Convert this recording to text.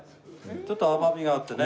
ちょっと甘みがあってね。